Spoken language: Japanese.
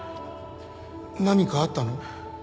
何かあったの？